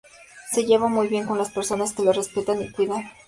Se lleva muy bien con las personas que lo respetan y cuidan.